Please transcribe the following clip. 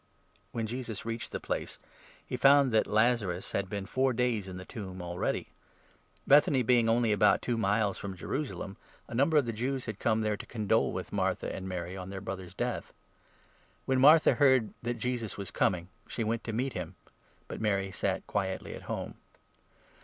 When Jesus reached the place, he found that Lazarus had 17 been four days in the tomb already. Bethany being only about 18 two miles from Jerusalem, a number of the Jews had come 19 there to condole with Martha and Mary on their brother's death. When Martha heard that Jesus was coming, she went 20 to meet him ; but Mary sat quietly at home.